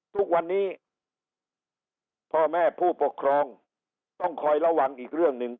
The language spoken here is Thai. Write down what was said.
ทุกวันนี้พ่อแม่ผู้ปกครองต้องคอยระวังอีกเรื่องหนึ่ง